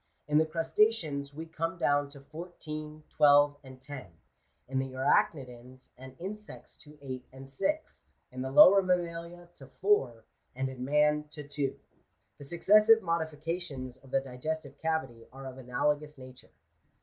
In the crustaceans we come down to fourteen, twelve, and ten ; in the arachnidans and insects to eight and six ; in the lower mammalia to four ; and in man to two. The successive modifications of the di gestive cavity are of analogous nature.